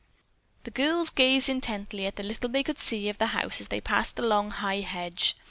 The girls gazed intently at the little they could see of the house as they passed the long high hedge.